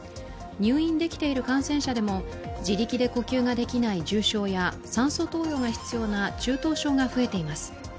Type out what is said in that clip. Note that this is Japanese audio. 入院できている感染者でも自力で呼吸ができない重症や酸素投与が必要な中等症が増えています。